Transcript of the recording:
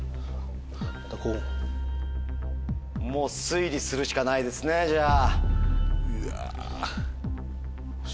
たたこうもう推理するしかないですねじゃあ。